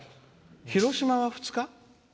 広島は２日？